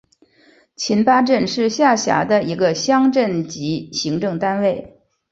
覃巴镇是下辖的一个乡镇级行政单位。